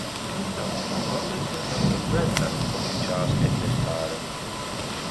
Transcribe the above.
Intanto al college anche Brendan comincia a sperimentare.